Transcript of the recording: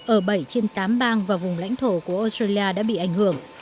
ở bảy trên tám bang và vùng lãnh thổ của australia đã bị ảnh hưởng